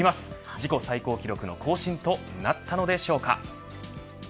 自己最高記録の更新となったのでしょうか。